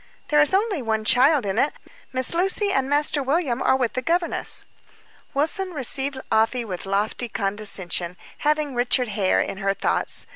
"There is only one child in it. Miss Lucy and Master William are with the governess." Wilson received Afy with lofty condescension, having Richard Hare in her thoughts.